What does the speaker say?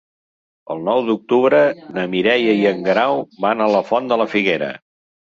El nou d'octubre na Mireia i en Guerau van a la Font de la Figuera.